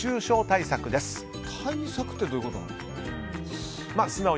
対策ってどういうことなのかな。